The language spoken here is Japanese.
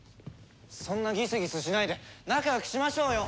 そんなギスギスしないで仲良くしましょうよ！